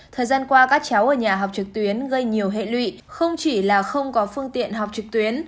thời gian qua các cháu ở nhà học trực tuyến gây nhiều hệ lụy không chỉ là không có phương tiện học trực tuyến